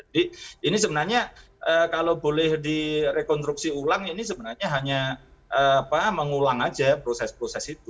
jadi ini sebenarnya kalau boleh direkonstruksi ulang ini sebenarnya hanya mengulang saja proses proses itu